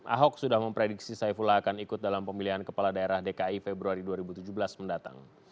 ahok sudah memprediksi saifullah akan ikut dalam pemilihan kepala daerah dki februari dua ribu tujuh belas mendatang